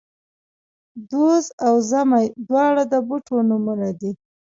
دوز او زمۍ، دواړه د بوټو نومونه دي